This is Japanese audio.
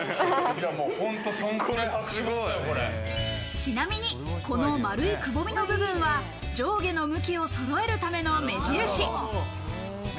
ちなみに、この丸いくぼみの部分は上下の向きをそろえるための目印。